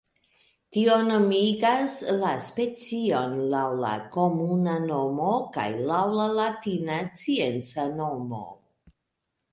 Tio nomigas la specion laŭ la komuna nomo kaj laŭ la latina scienca nomo.